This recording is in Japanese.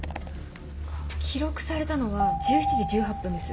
記録されたのは１７時１８分です。